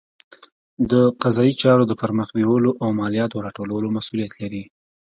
د قضایي چارو د پرمخ بیولو او مالیاتو راټولولو مسوولیت لري.